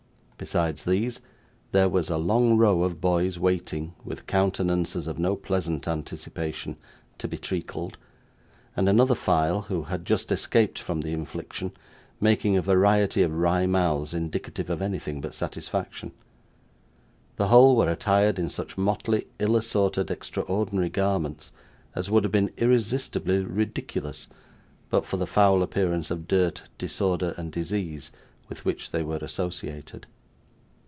Besides these, there was a long row of boys waiting, with countenances of no pleasant anticipation, to be treacled; and another file, who had just escaped from the infliction, making a variety of wry mouths indicative of anything but satisfaction. The whole were attired in such motley, ill assorted, extraordinary garments, as would have been irresistibly ridiculous, but for the foul appearance of dirt, disorder, and disease, with which they were associated.